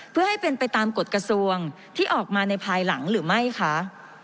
เพื่อให้เป็นไปตามกฎกระทรวงที่ออกมาในภายหลังหรือไม่คะ